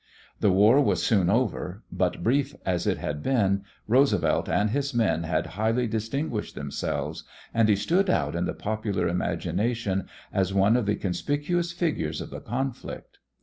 The war was soon over, but brief as it had been Roosevelt and his men had highly distinguished themselves, and he stood out in the popular imagination as one of the conspicuous figures of the conflict.